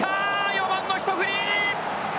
４番のひと振り！